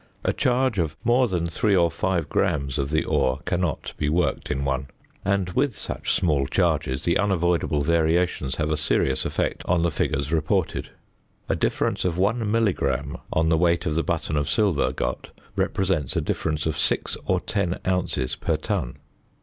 A charge of more than 3 or 5 grams of the ore cannot be worked in one, and with such small charges the unavoidable variations have a serious effect on the figures reported. A difference of one milligram on the weight of the button of silver got represents a difference of 6 or 10 ounces per ton.